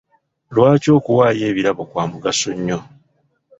Lwaki okuwaayo ebirabo kwa mugaso nnyo ?